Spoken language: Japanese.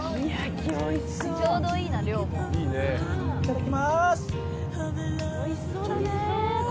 いただきます。